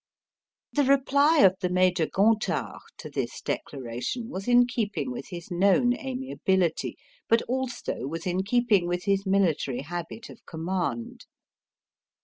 The reply of the Major Gontard to this declaration was in keeping with his known amiability, but also was in keeping with his military habit of command.